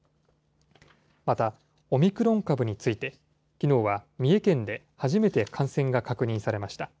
また、オミクロン株について、きのうは三重県で初めて感染が確認されました。